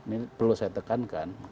ini perlu saya tekankan